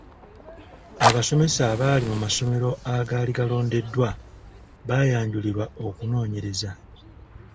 Abasomesa abaali mu masomero agaali galondeddwa baayanjulirwa okunoonyereza.